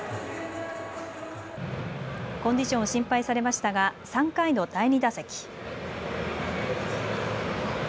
コンディションを心配されましたが３回の第２打席。